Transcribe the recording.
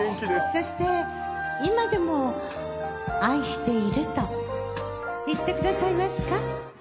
“そして今でも”“愛しているといって下さいますか”